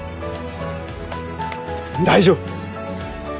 大丈夫！